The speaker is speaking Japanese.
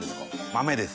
豆です。